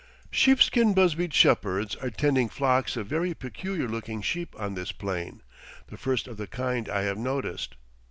Sheepskin busbied shepherds are tending flocks of very peculiar looking sheep on this plain, the first of the kind I have noticed.